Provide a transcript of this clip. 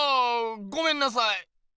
ごめんなさい。